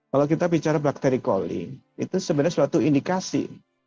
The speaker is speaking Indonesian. kalau kita bicara bakteri koli itu sebenarnya suatu indikasi